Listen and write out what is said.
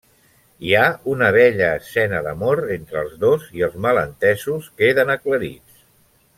Hi ha una bella escena d'amor entre els dos, i els malentesos queden aclarits.